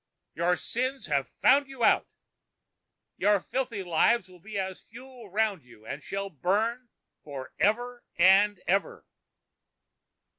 Your sins have found you out. Your filthy lives will be as fuel round you and shall burn for ever and ever."